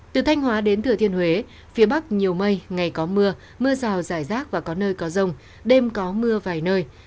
từ thanh hóa đến thừa thiên huế phía bắc nhiều mây ngày có mưa mưa rào rải rác và có nơi có rông đêm có mưa vài nơi